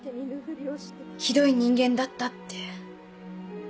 「ひどい人間だった」って。